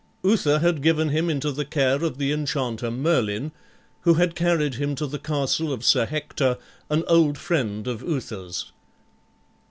Uther had given him into the care of the enchanter Merlin, who had carried him to the castle of Sir Hector,[A] an old friend of Uther's.